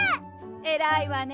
えらいわね。